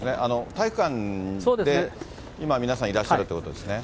体育館で今、皆さんいらっしゃるということですね。